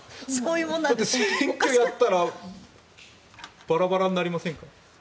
だって選挙をやったらバラバラになりませんか？